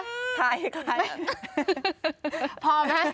พร้อมไหมครับ